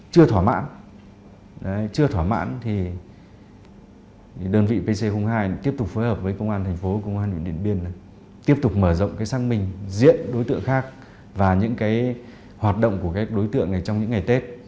chưa thỏa mãn thì đơn vị pc hai tiếp tục phối hợp với công an thành phố công an huyện điện biên tiếp tục mở rộng cái xác minh diện đối tượng khác và những cái hoạt động của các đối tượng này trong những ngày tết